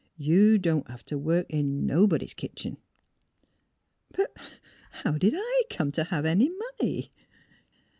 You don't hev t' work in nobody's, kitchen." " But — but how did I come to have any money?